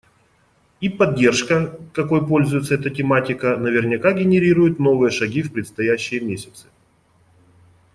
И поддержка, какой пользуется эта тематика, наверняка генерирует новые шаги в предстоящие месяцы.